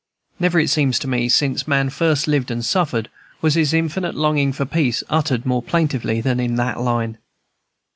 Never, it seems to me, since man first lived and suffered, was his infinite longing for peace uttered more plaintively than in that line.